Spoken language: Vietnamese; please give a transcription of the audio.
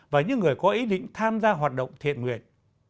và những người có ý định tham gia hoạt động thiện nguyện